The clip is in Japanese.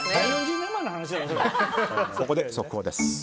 ここで速報です。